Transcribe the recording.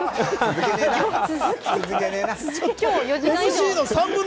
続けねえな！